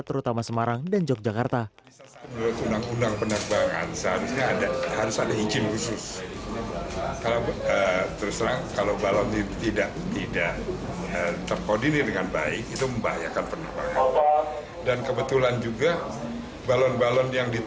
terutama semasa penerbangan